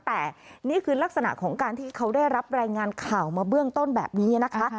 แต่นี่คือลักษณะของการที่เขาได้รับรายงานข่าวมาเบื้องต้นแบบนี้นะคะ